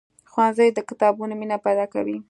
ښوونځی د کتابونو مینه پیدا کوي.